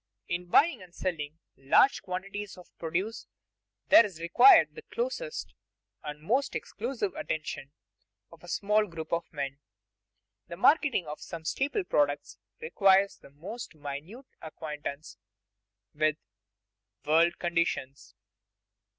_ In buying and selling large quantities of produce there is required the closest and most exclusive attention of a small group of men. The marketing of some staple products requires the most minute acquaintance with world conditions.